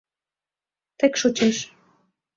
Тек шочеш!